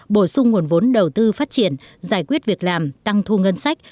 bổ sung nguồn vốn đầu tư phát triển giải quyết việc làm tăng thu ngân sách